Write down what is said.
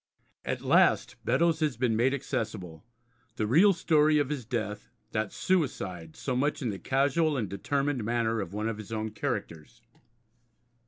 At last Beddoes has been made accessible, the real story of his death, that suicide so much in the casual and determined manner of one of his own characters.